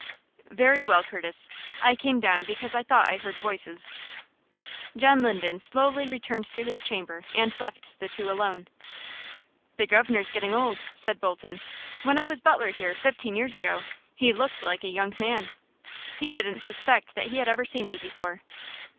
"Very well, Curtis. I came down because I thought I heard voices." John Linden slowly returned to his chamber, and left the two alone. "The governor's getting old," said Bolton. "When I was butler here, fifteen years ago, he looked like a young man. He didn't suspect that he had ever seen me before."